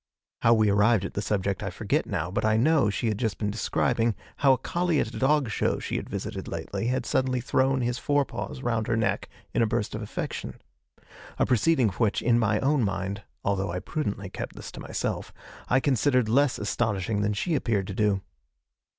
How we arrived at the subject I forget now, but I know she had just been describing how a collie at a dog show she had visited lately had suddenly thrown his forepaws round her neck in a burst of affection a proceeding which, in my own mind (although I prudently kept this to myself), I considered less astonishing than she appeared to do.